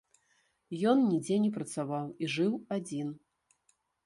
Ён нідзе не працаваў і жыў адзін.